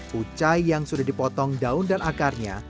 pucai yang sudah dipotong daun dan akarnya